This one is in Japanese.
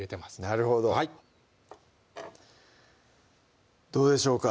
なるほどどうでしょうか？